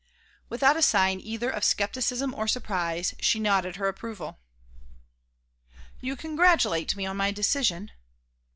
Without a sign either of scepticism or surprise she nodded her approval. "You congratulate me on my decision?"